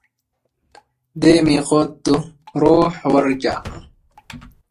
أما رأوا تقلب الدنيا بنا